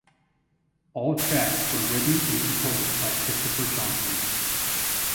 All tracks were written and composed by Christofer Johnsson.